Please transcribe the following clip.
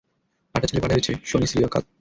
পাঠার ছেলে পাঠাই হয়েছে, শনি শ্রী অকাল।